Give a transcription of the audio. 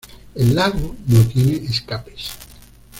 El lago no tiene escapes.